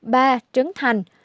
ba trấn thành